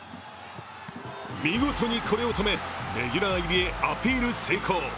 見事にこれを止め、レギュラー入りへアピール成功。